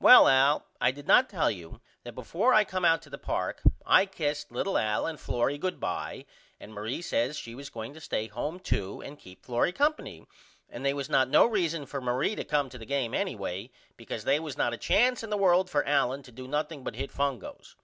Well Al I did not tell you that before I come out to the park I kissed little Al and Florrie good by and Marie says she was going to stay home to and keep Florrie Co. and they was not no reason for Marie to come to the game anyway because they was not a chance in the world for Allen to do nothing but hit fungos.